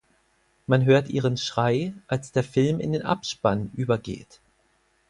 Man hört ihren Schrei, als der Film in den Abspann übergeht.